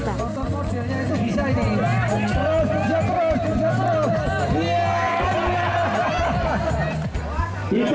tumpuk jatuh jatuh